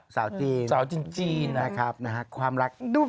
สาวจีนนะครับนะครับความรักสาวจีนนะครับ